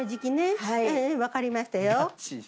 分かりましたよ。